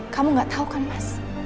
kamu gak tahu kan mas